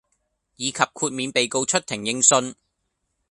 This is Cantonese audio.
以及豁免被告出庭應訊